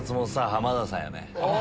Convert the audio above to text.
浜田さんやね。